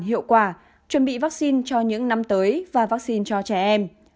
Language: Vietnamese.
hiệu quả chuẩn bị vaccine cho những năm tới và vaccine cho trẻ em